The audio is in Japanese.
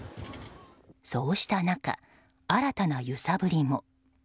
そうした中、新たな揺さぶりも。